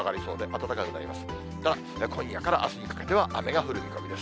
ただ今夜からあすにかけては雨が降る見込みです。